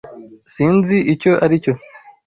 S Sinzi icyo aricyo.